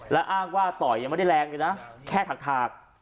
และอ้างว่าต่อยยังไม่ได้แรงเลยนะแค่ถาก